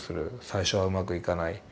最初はうまくいかない。